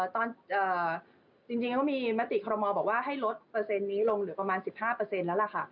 จริงก็มีมติคอรมอลบอกว่าให้ลดเปอร์เซ็นต์นี้ลงเหลือประมาณ๑๕แล้วล่ะค่ะ